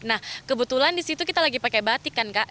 nah kebetulan disitu kita lagi pakai batik kan kak